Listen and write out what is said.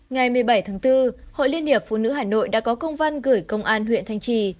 ngày một mươi bảy tháng bốn hội liên hiệp phụ nữ hà nội đã có công văn gửi công an huyện thanh trì